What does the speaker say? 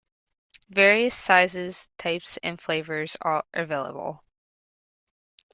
Various sizes, types and flavours are available.